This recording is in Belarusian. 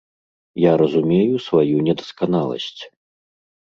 Я разумею сваю недасканаласць.